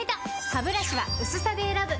ハブラシは薄さで選ぶ！